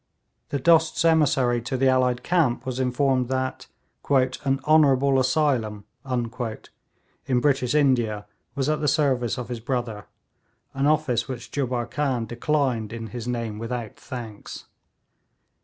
The Dost's emissary to the allied camp was informed that 'an honourable asylum' in British India was at the service of his brother; an offer which Jubbar Khan declined in his name without thanks.